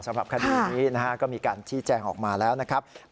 สำหรับคดีนี้นะฮะก็มีการชี้แจงออกมาแล้วนะครับ